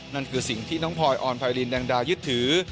นั่นคือสิ่งที่น้องพลอยออนไพรินแดงดายึดถือ